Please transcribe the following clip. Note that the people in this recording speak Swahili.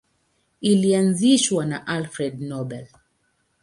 Ilianzishwa na Alfred Nobel.